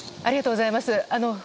ありがとうございます。